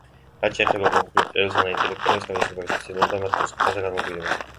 რაც შეეხება უკმაყოფილო მწერლებსა და ინტელექტუალებს, ხელისუფლება ცდილობდა მათ მოსყიდვას და გადმობირებას.